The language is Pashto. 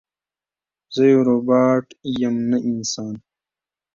زه یو روباټ یم نه انسان